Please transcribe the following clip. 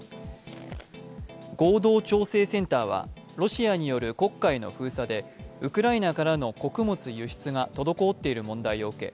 合同調整センターは、ロシアによる黒海の封鎖でウクライナからの穀物輸出が滞っている問題を受け